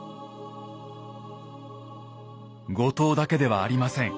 後藤だけではありません。